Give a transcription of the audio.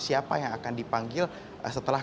siapa yang akan dipanggil setelah